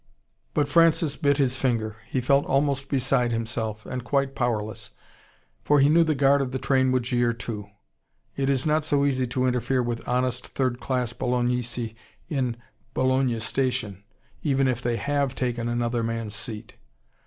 But Francis bit his finger. He felt almost beside himself and quite powerless. For he knew the guard of the train would jeer too. It is not so easy to interfere with honest third class Bolognesi in Bologna station, even if they have taken another man's seat.